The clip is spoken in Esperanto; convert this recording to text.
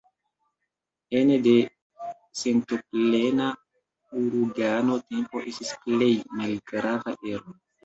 Ene de sentoplena uragano tempo estis plej malgrava ero.